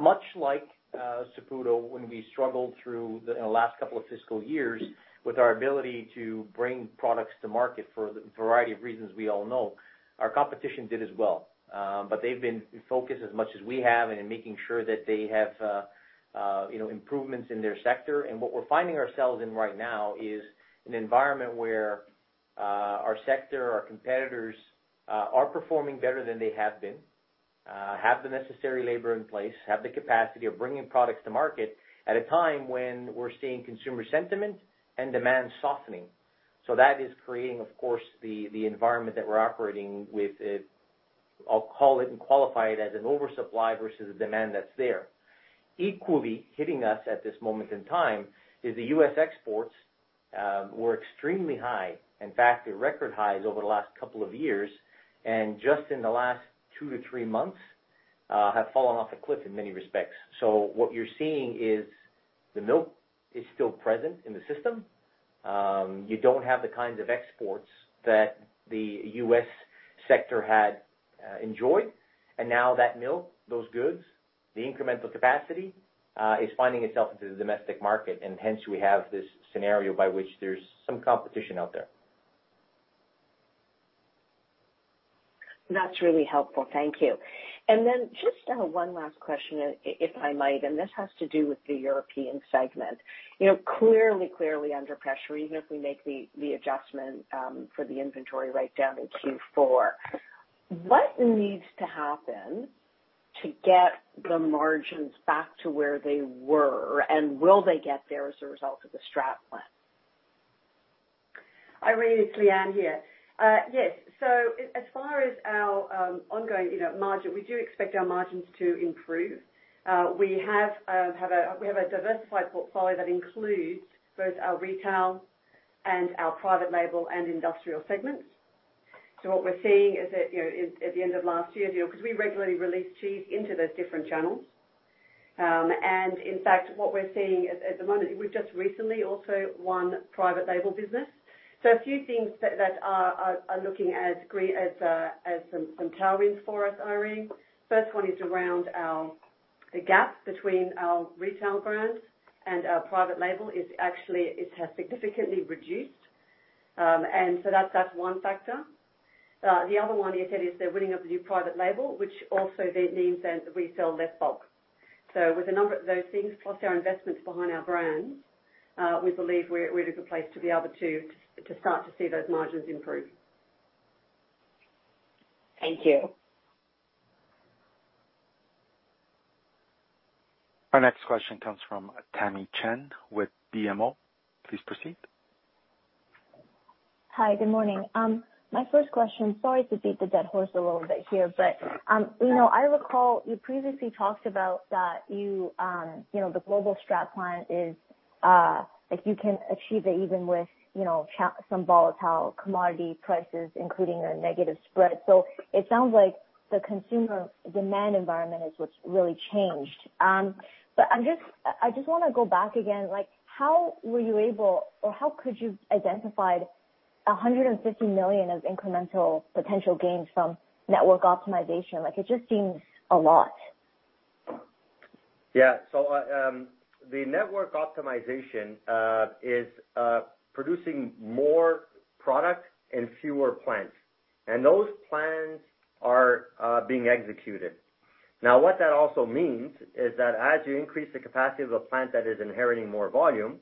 Much like Saputo, when we struggled in the last couple of fiscal years with our ability to bring products to market for a variety of reasons we all know, our competition did as well. They've been focused as much as we have and in making sure that they have, you know, improvements in their sector. What we're finding ourselves in right now is an environment where our sector, our competitors, are performing better than they have been, have the necessary labor in place, have the capacity of bringing products to market at a time when we're seeing consumer sentiment and demand softening. That is creating, of course, the environment that we're operating with it. I'll call it and qualify it as an oversupply versus the demand that's there. Equally, hitting us at this moment in time is the U.S. exports were extremely high, in fact, the record high is over the last couple of years, and just in the last 2-3 months have fallen off a cliff in many respects. What you're seeing is the milk is still present in the system. You don't have the kinds of exports that the U.S. sector had enjoyed, and now that milk, those goods, the incremental capacity is finding itself into the domestic market, and hence we have this scenario by which there's some competition out there. That's really helpful. Thank you. Just one last question, if I might, and this has to do with the European segment. You know, clearly under pressure, even if we make the adjustment for the inventory write-down in Q4. What needs to happen to get the margins back to where they were, and will they get there as a result of the strat plan? Irene, it's Leanne here. Yes. As far as our, you know, ongoing, margin, we do expect our margins to improve. We have a diversified portfolio that includes both our retail and our private label and industrial segments. What we're seeing is that, you know, at the end of last year, you know, because we regularly release cheese into those different channels. In fact, what we're seeing at the moment, we've just recently also won private label business. A few things that are looking as great as some tailwinds for us, Irene. First one is around the gap between our retail brands and our private label is actually, it has significantly reduced. That's one factor. The other one is the winning of the new private label, which also then means that we sell less bulk. With a number of those things, plus our investments behind our brands, we believe we're in a good place to be able to start to see those margins improve. Thank you. Our next question comes from Tamy Chen with BMO. Please proceed. Hi, good morning. My first question, sorry to beat the dead horse a little bit here, you know, I recall you previously talked about that you know, the Global Strat Plan.... like you can achieve it even with, you know, some volatile commodity prices, including a negative spread. It sounds like the consumer demand environment is what's really changed. I just wanna go back again, like, how were you able, or how could you identified 150 million of incremental potential gains from network optimization? Like, it just seems a lot. The network optimization is producing more product in fewer plants, and those plans are being executed. What that also means is that as you increase the capacity of a plant that is inheriting more volume,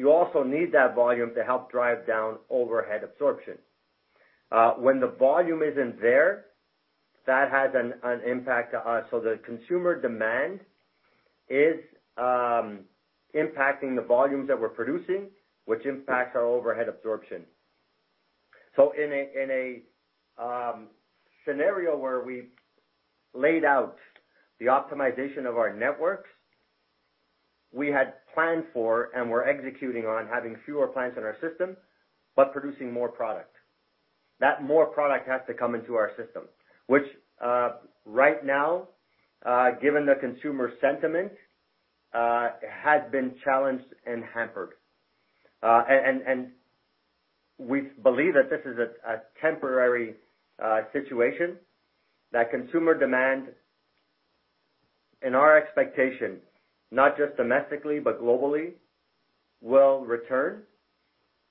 you also need that volume to help drive down overhead absorption. When the volume isn't there, that has an impact to us. The consumer demand is impacting the volumes that we're producing, which impacts our overhead absorption. In a scenario where we laid out the optimization of our networks, we had planned for and we're executing on having fewer plants in our system, but producing more product. That more product has to come into our system, which right now, given the consumer sentiment, has been challenged and hampered. We believe that this is a temporary situation, that consumer demand, in our expectation, not just domestically, but globally, will return.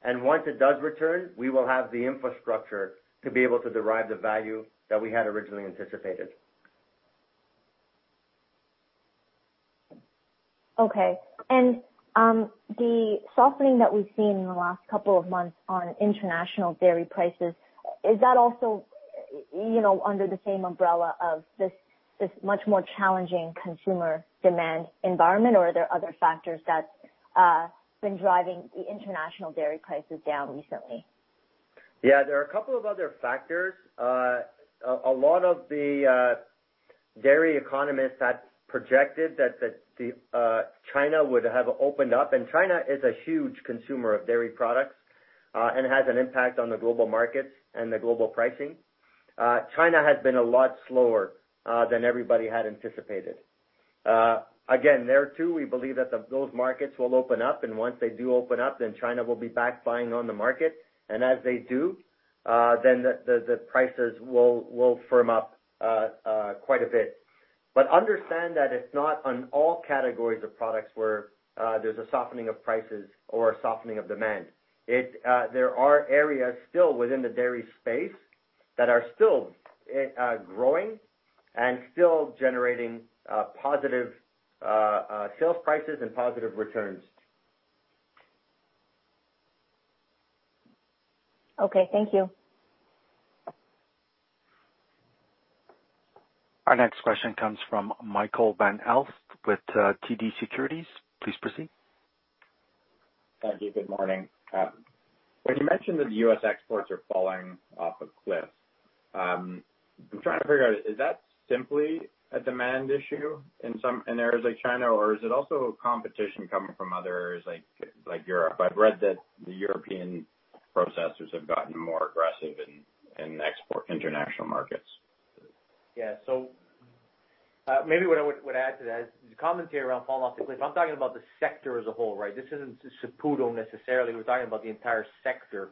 Once it does return, we will have the infrastructure to be able to derive the value that we had originally anticipated. Okay. The softening that we've seen in the last couple of months on international dairy prices, is that also, you know, under the same umbrella of this much more challenging consumer demand environment, or are there other factors that been driving the international dairy prices down recently? Yeah, there are a couple of other factors. A lot of the dairy economists had projected that China would have opened up, and China is a huge consumer of dairy products and has an impact on the global markets and the global pricing. China has been a lot slower than everybody had anticipated. Again, there, too, we believe that those markets will open up, and once they do open up, then China will be back buying on the market. As they do, then the prices will firm up quite a bit. Understand that it's not on all categories of products where there's a softening of prices or a softening of demand. It, there are areas still within the dairy space that are still growing and still generating positive sales prices and positive returns. Okay, thank you. Our next question comes from Michael Van Aelst with TD Securities. Please proceed. Thank you. Good morning. When you mentioned that the U.S. exports are falling off a cliff, I'm trying to figure out, is that simply a demand issue in areas like China, or is it also competition coming from other areas like Europe? I've read that the European processors have gotten more aggressive in export international markets. Yeah. Maybe what I would add to that, the commentary around falling off the cliff, I'm talking about the sector as a whole, right? This isn't Saputo necessarily. We're talking about the entire sector.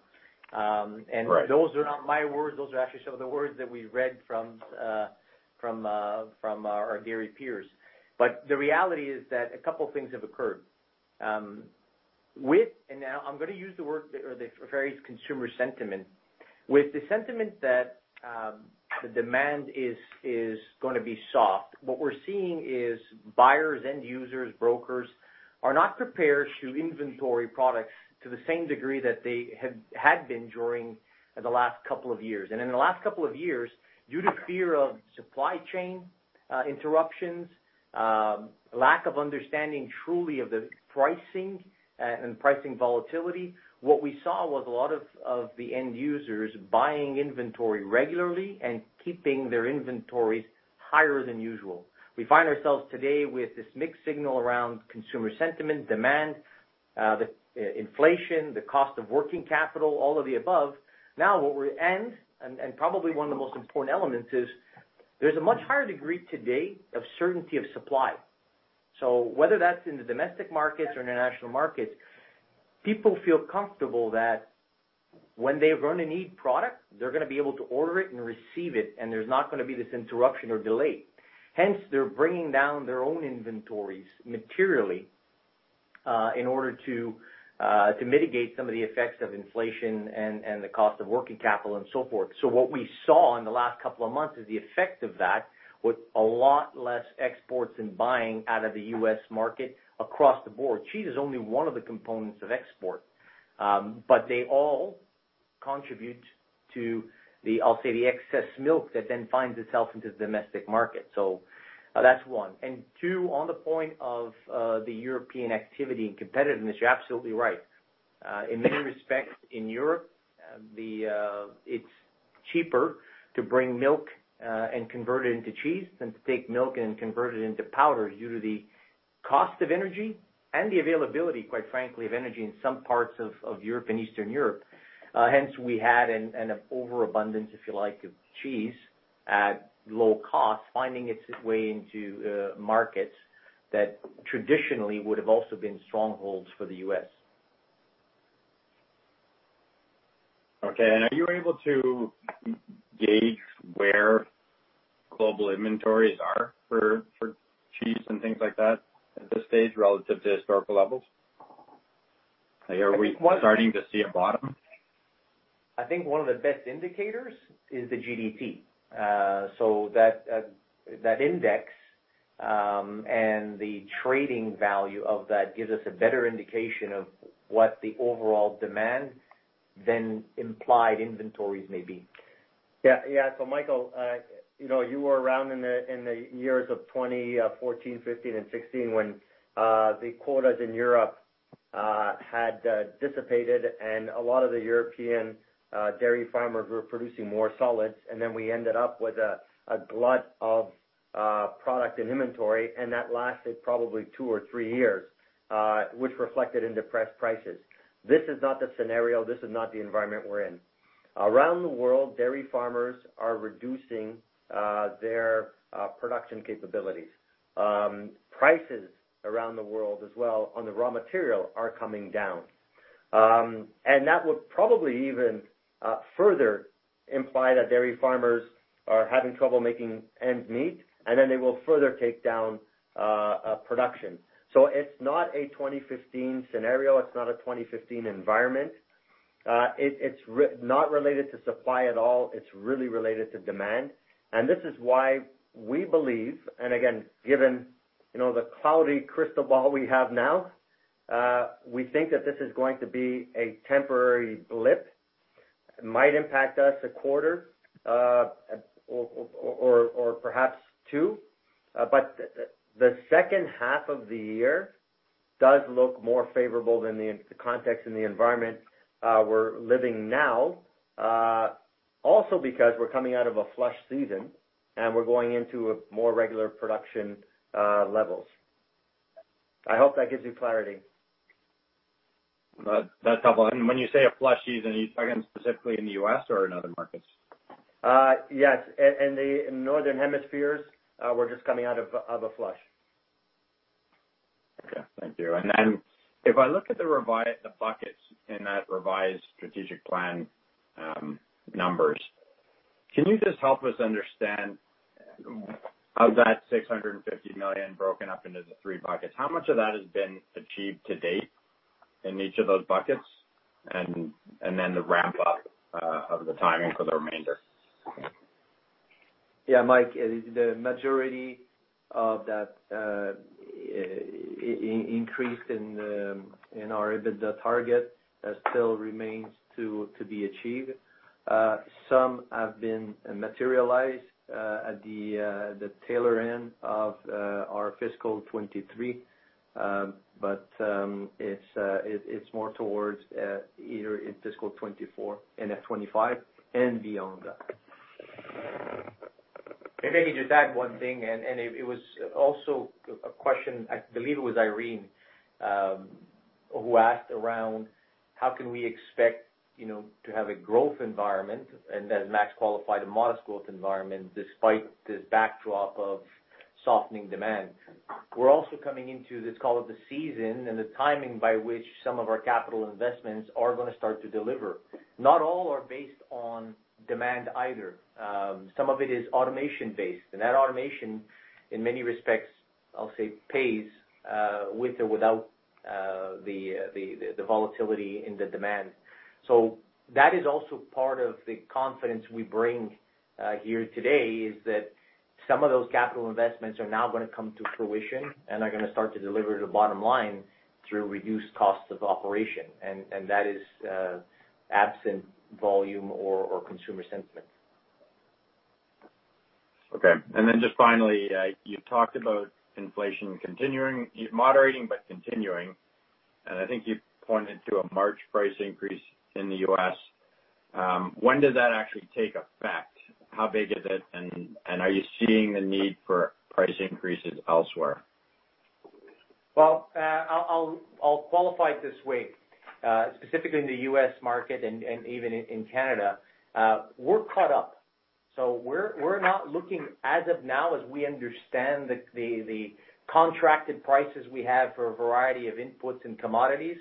Right. Those are not my words. Those are actually some of the words that we read from our dairy peers. The reality is that a couple things have occurred. With, and now I'm gonna use the word or the various consumer sentiment. With the sentiment that the demand is gonna be soft, what we're seeing is buyers, end users, brokers are not prepared to inventory products to the same degree that they had been during the last couple of years. In the last couple of years, due to fear of supply chain interruptions, lack of understanding truly of the pricing and pricing volatility, what we saw was a lot of the end users buying inventory regularly and keeping their inventories higher than usual. We find ourselves today with this mixed signal around consumer sentiment, demand, the inflation, the cost of working capital, all of the above. Now, and probably one of the most important elements is, there's a much higher degree today of certainty of supply. Whether that's in the domestic markets or international markets, people feel comfortable that when they're gonna need product, they're gonna be able to order it and receive it, and there's not gonna be this interruption or delay. Hence, they're bringing down their own inventories materially in order to mitigate some of the effects of inflation and the cost of working capital and so forth. What we saw in the last couple of months is the effect of that, with a lot less exports and buying out of the U.S. market across the board. Cheese is only one of the components of export, but they all contribute to the, I'll say, the excess milk that then finds itself into the domestic market. That's one. Two, on the point of, the European activity and competitiveness, you're absolutely right. In many respects, the, it's cheaper to bring milk, and convert it into cheese than to take milk and convert it into powder due to the cost of energy and the availability, quite frankly, of energy in some parts of Europe and Eastern Europe. Hence, we had an overabundance, if you like, of cheese at low cost, finding its way into, markets that traditionally would have also been strongholds for the U.S. Okay. Are you able to gauge where global inventories are for cheese and things like that at this stage, relative to historical levels? Are we starting to see a bottom? I think one of the best indicators is the GDT. So that index, and the trading value of that gives us a better indication of what the overall demand than implied inventories may be. Yeah, so Michael, you know, you were around in the years of 2014, 2015, and 2016 when the quotas in Europe had dissipated, and a lot of the European dairy farmers were producing more solids. Then we ended up with a glut of product and inventory, and that lasted probably 2 or 3 years, which reflected in depressed prices. This is not the scenario, this is not the environment we're in. Around the world, dairy farmers are reducing their production capabilities. Prices around the world as well on the raw material are coming down. That would probably even further imply that dairy farmers are having trouble making ends meet, they will further take down production. It's not a 2015 scenario. It's not a 2015 environment. It's not related to supply at all, it's really related to demand. This is why we believe, and again, given, you know, the cloudy crystal ball we have now, we think that this is going to be a temporary blip. It might impact us a quarter, or perhaps 2, but the second half of the year does look more favorable than the context and the environment we're living now, also because we're coming out of a flush season, we're going into a more regular production levels. I hope that gives you clarity. Well, that's helpful. When you say a flush season, are you talking specifically in the U.S. or in other markets? Yes, in the northern hemispheres, we're just coming out of a flush. Okay, thank you. If I look at the buckets in that revised Strategic Plan numbers, can you just help us understand of that 650 million broken up into the three buckets, how much of that has been achieved to date in each of those buckets, and then the ramp up of the timing for the remainder? Yeah, Mike, the majority of that increase in our EBITDA target still remains to be achieved. Some have been materialized at the tailor end of our fiscal 2023. It's more towards either in fiscal 2024 and at 2025 and beyond that. Maybe just add one thing. It was also a question, I believe it was Irene, who asked around, how can we expect, you know, to have a growth environment, and then Max qualified a modest growth environment despite this backdrop of softening demand? We're also coming into this call of the season and the timing by which some of our capital investments are gonna start to deliver. Not all are based on demand either. Some of it is automation-based, and that automation, in many respects, I'll say, pays, with or without the volatility in the demand. That is also part of the confidence we bring here today, is that some of those capital investments are now gonna come to fruition, and are gonna start to deliver the bottom line through reduced costs of operation, and that is absent volume or consumer sentiment. Okay, just finally, you talked about inflation continuing, moderating, but continuing, and I think you pointed to a March price increase in the U.S. When did that actually take effect? How big is it? Are you seeing the need for price increases elsewhere? Well, I'll qualify it this way. Specifically in the U.S. market and even in Canada, we're caught up. We're not looking as of now, as we understand the contracted prices we have for a variety of inputs and commodities,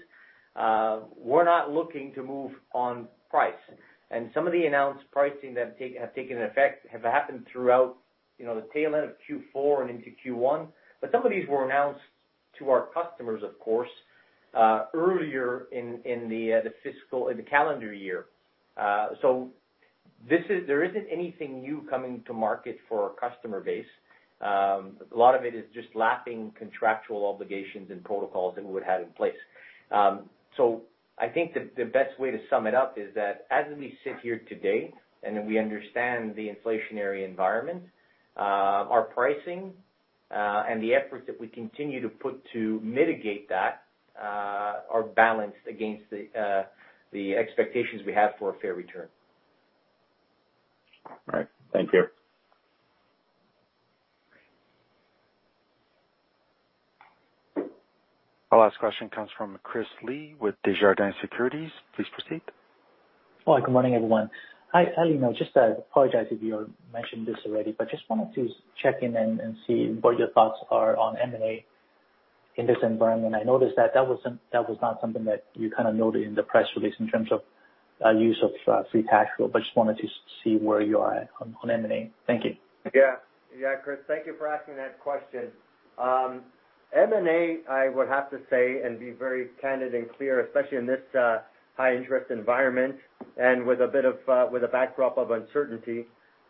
we're not looking to move on price. Some of the announced pricing that have taken effect have happened throughout, you know, the tail end of Q4 and into Q1. Some of these were announced to our customers, of course, earlier in the calendar year. There isn't anything new coming to market for our customer base. A lot of it is just lapping contractual obligations and protocols that we would have in place. I think the best way to sum it up is that as we sit here today, and then we understand the inflationary environment, our pricing and the efforts that we continue to put to mitigate that, are balanced against the expectations we have for a fair return. All right. Thank you. Our last question comes from Chris Li with Desjardins Securities. Please proceed. Well, good morning, everyone. I, you know, just apologize if you mentioned this already, but just wanted to check in and see what your thoughts are on M&A in this environment. I noticed that that was not something that you kind of noted in the press release in terms of use of free cash flow, but just wanted to see where you are on M&A. Thank you. Yeah. Yeah, Chris, thank you for asking that question. M&A, I would have to say, and be very candid and clear, especially in this high interest environment and with a bit of a backdrop of uncertainty,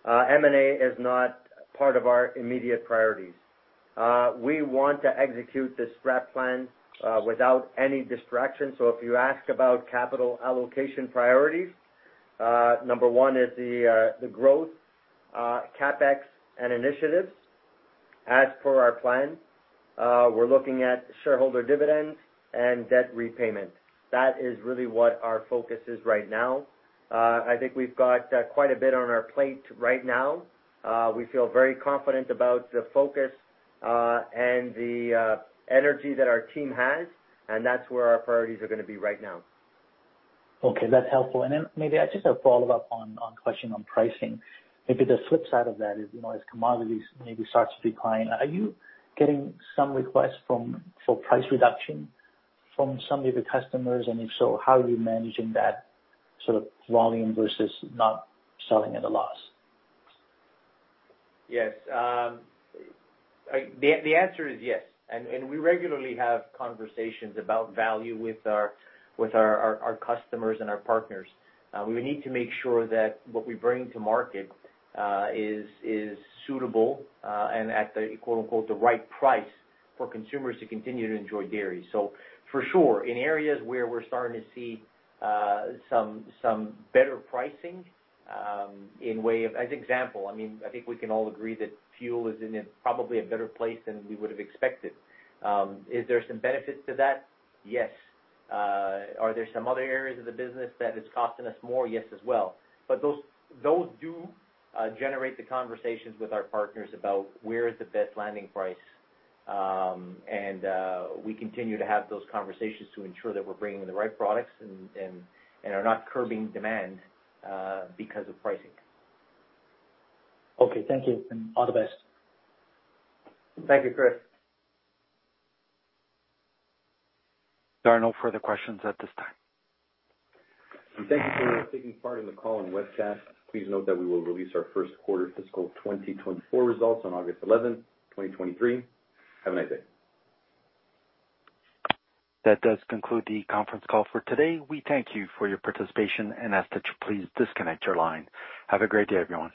M&A is not part of our immediate priorities. We want to execute this strat plan without any distraction. If you ask about capital allocation priorities, number 1 is the growth CapEx and initiatives. As for our plan, we're looking at shareholder dividends and debt repayment. That is really what our focus is right now. I think we've got quite a bit on our plate right now. We feel very confident about the focus and the energy that our team has, and that's where our priorities are gonna be right now. Okay, that's helpful. Maybe I just have a follow-up on question on pricing. Maybe the flip side of that is, you know, as commodities maybe starts to decline, are you getting some requests for price reduction from some of your customers? If so, how are you managing that sort of volume versus not selling at a loss? Yes, the answer is yes. We regularly have conversations about value with our customers and our partners. We need to make sure that what we bring to market is suitable and at the, quote, unquote, "the right price" for consumers to continue to enjoy dairy. For sure, in areas where we're starting to see some better pricing, As example, I mean, I think we can all agree that fuel is in a probably a better place than we would have expected. Is there some benefit to that? Yes. Are there some other areas of the business that is costing us more? Yes, as well. Those do generate the conversations with our partners about where is the best landing price. We continue to have those conversations to ensure that we're bringing the right products and are not curbing demand because of pricing. Okay, thank you, and all the best. Thank you, Chris. There are no further questions at this time. Thank you for taking part in the call and webcast. Please note that we will release our first quarter fiscal 2024 results on August 11, 2023. Have a nice day. That does conclude the conference call for today. We thank you for your participation and ask that you please disconnect your line. Have a great day, everyone.